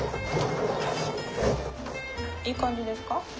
いい感じですか？